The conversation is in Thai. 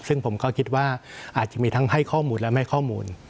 ซึ่งผมก็คิดว่าอาจจะมีทั้งให้ข้อมูลและไม่ข้อมูล